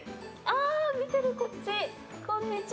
あー、見てる、こっち。